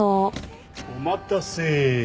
お待たせ！